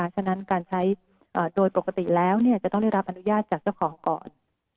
ฉะนั้นการใช้โดยปกติแล้วจะต้องได้รับอนุญาตจากเจ้าของก่อน